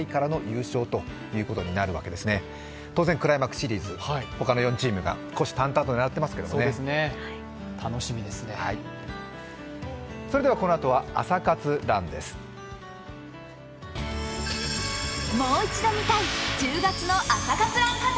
それではこのあとは「朝活ＲＵＮ」です。